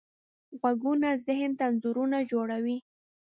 غږونه ذهن ته انځورونه جوړوي.